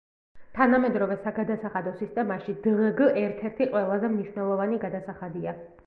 თანამედროვე საგადასახადო სისტემაში დღგ ერთ-ერთი ყველაზე მნიშვნელოვანი გადასახადია.